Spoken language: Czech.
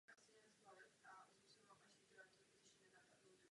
Operace trvala dva dny a jednotlivé týmy se střídaly na směny.